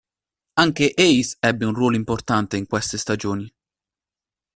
Anche Ace ebbe un ruolo importante in queste stagioni.